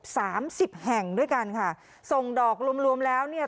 สามสิบแห่งด้วยกันค่ะส่งดอกรวมรวมแล้วเนี่ย